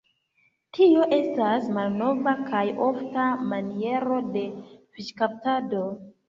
Tio estas malnova kaj ofta maniero de fiŝkaptado.